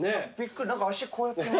何か足こうやって。